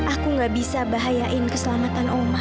aku gak bisa bahayain keselamatan oma